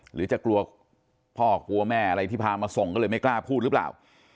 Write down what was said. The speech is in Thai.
หรือจะกลัวพ่อกลัวแม่อะไรที่พามาส่งก็เลยไม่กล้าพูดหรือเปล่า